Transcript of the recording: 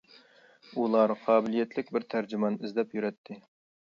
ئۇلار قابىلىيەتلىك بىر تەرجىمان ئىزدەپ يۈرەتتى.